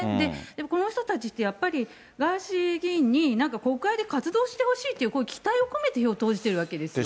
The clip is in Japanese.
この人たちってやっぱり、ガーシー議員になんか国会で活動してほしいっていう、期待を込めて票を投じているわけです。